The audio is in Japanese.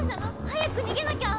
早く逃げなきゃ！